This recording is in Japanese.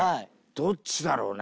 どっちだろうね。